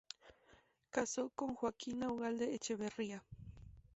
Casó con Joaquina Ugalde Echeverría.